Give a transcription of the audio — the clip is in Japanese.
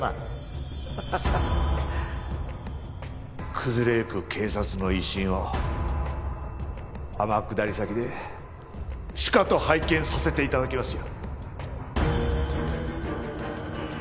崩れゆく警察の威信を天下り先でしかと拝見させて頂きますよ。